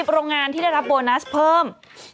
โรงงานที่ได้รับโบนัสเพิ่ม